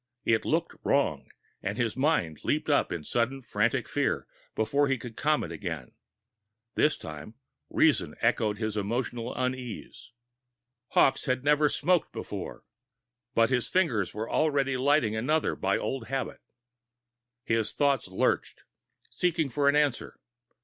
It looked wrong, and his mind leaped up in sudden frantic fear, before he could calm it again. This time, reason echoed his emotional unease. Hawkes had never smoked before! But his fingers were already lighting another by old habit. His thoughts lurched, seeking for an answer.